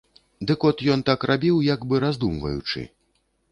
Дык от ён так рабіў, як бы раздумваючы.